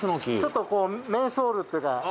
ちょっとこうメンソールっていうか。